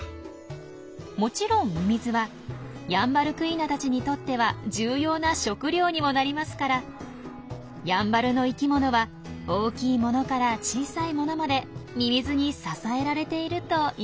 もちろんミミズはヤンバルクイナたちにとっては重要な食料にもなりますからやんばるの生き物は大きいものから小さいものまでミミズに支えられているといえそうですね。